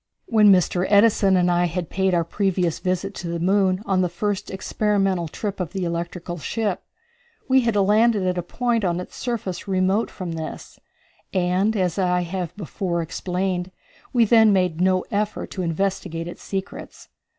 When Mr. Edison and I had paid our previous visit to the moon on the first experimental trip of the electrical ship, we had landed at a point on its surface remote from this, and, as I have before explained, we then made no effort to investigate its secrets.